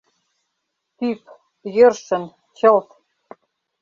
Тӱп — йӧршын, чылт.